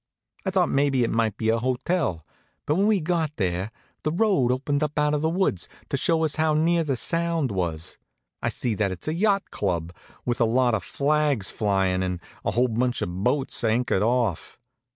I thought maybe it might be a hotel; but when we got where the road opened out of the woods to show us how near the Sound we was, I sees that it's a yacht club, with a lot of flags flyin' and a whole bunch of boats anchored off.